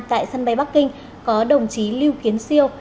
tại sân bay bắc kinh có đồng chí lưu kiến siêu